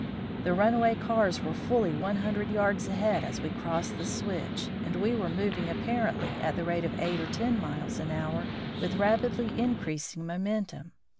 The runaway cars were fully one hundred yards ahead as we crossed the switch, and were moving apparently at the rate of eight or ten miles an hour with rapidly increasing momentum.